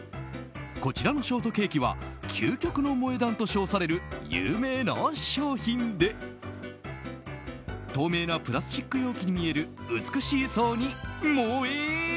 こちらのショートケーキは究極の萌え断と称される有名な商品で透明なプラスチック容器に見える美しい層に萌え！